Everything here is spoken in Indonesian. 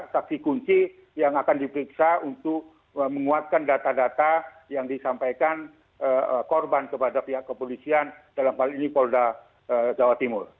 saksi kunci yang akan diperiksa untuk menguatkan data data yang disampaikan korban kepada pihak kepolisian dalam hal ini polda jawa timur